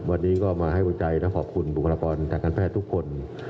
วันนี้ก็มาให้หัวใจและขอบคุณบุคลากรทางการแพทย์ทุกคน